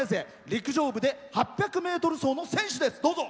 陸上部で８００ｍ走の選手です。